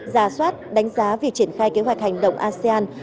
ra soát đánh giá việc triển khai kế hoạch hành động asean